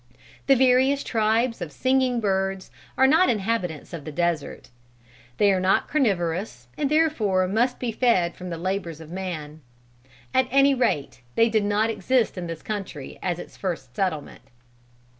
The various tribes of singing birds are not inhabitants of the desert. They are not carnivorous and therefore must be fed from the labors of man. At any rate they did not exist in this country at its first settlement.